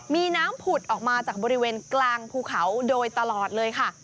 มีน้ำผุดออกมาจากบริเวณกลางภูเขาโดยตลอดเลยค่ะ